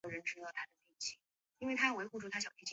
是以韩国为据点的韩国黑手党。